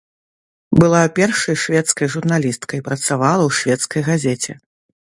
Была першай шведскай журналісткай, працавала ў шведскай газеце.